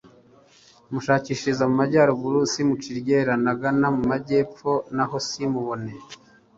mushakishiriza mu majyaruguru, simuce iryera, nagana epfo na ho, simpamubone